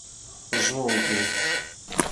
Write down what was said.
Ẓugg.